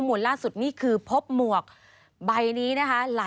สวัสดีค่ะสวัสดีค่ะ